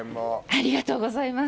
ありがとうございます。